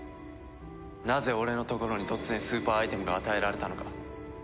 なぜ俺のところに突然スーパーアイテムが与えられたのか。